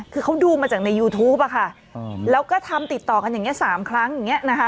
คือเขาดูมาจากในยูทูปอะค่ะแล้วก็ทำติดต่อกันอย่างนี้๓ครั้งอย่างนี้นะคะ